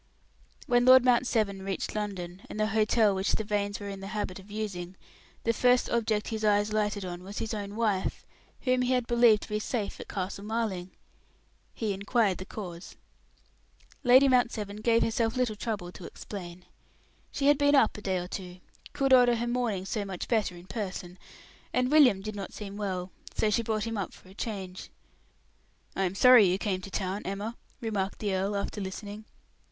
When Lord Mount Severn reached London, and the hotel which the Vanes were in the habit of using, the first object his eyes lighted on was his own wife, whom he had believed to be safe at Castle Marling. He inquired the cause. Lady Mount Severn gave herself little trouble to explain. She had been up a day or two could order her mourning so much better in person and William did not seem well, so she brought him up for a change. "I am sorry you came to town, Emma," remarked the earl, after listening.